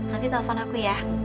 nanti telfon aku ya